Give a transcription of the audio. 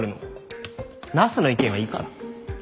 ナースの意見はいいから。